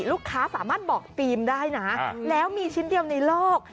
ลูกค้าสามารถบอกธีมได้นะแล้วมีชิ้นเดียวในโลก